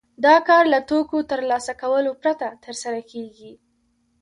دا کار له توکو ترلاسه کولو پرته ترسره کېږي